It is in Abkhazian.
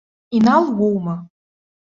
Инал уоума?